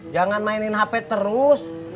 jangan mainin hp terus